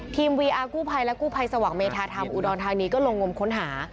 วีอาร์กู้ภัยและกู้ภัยสว่างเมธาธรรมอุดรธานีก็ลงงมค้นหา